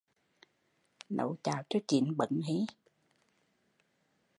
Nấu cháo cho chín bấn